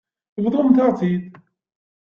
Bḍumt-aɣ-tt-id.